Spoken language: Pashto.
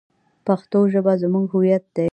پښتو ژبه زموږ هویت دی.